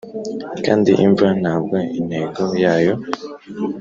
kandi imva ntabwo intego yayo;